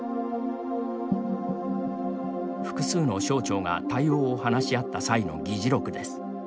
複数の省庁が対応を話し合った際の議事録です。